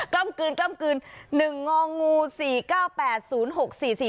ล้ำกลืนกล้ำกลืนหนึ่งงองูสี่เก้าแปดศูนย์หกสี่สี่